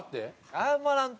謝らんと！